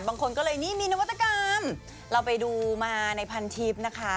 บางคนก็เลยนี่มีนวัตกรรมเราไปดูมาในพันทิพย์นะคะ